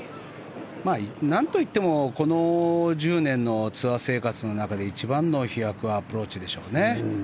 なんといってもこの１０年のツアー生活の中で一番の飛躍はアプローチでしょうね。